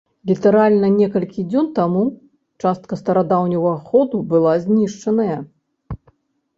Літаральна некалькі дзён таму частка старадаўняга ходу была знішчаная.